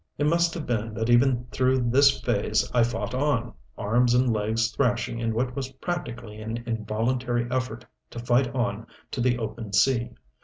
It must have been that even through this phase I fought on, arms and legs thrashing in what was practically an involuntary effort to fight on to the open sea.